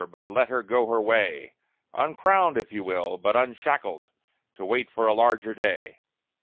but let her go her way Uncrowned if you will, but unshackled, to wait for a larger day.